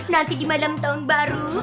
nanti di malam tahun baru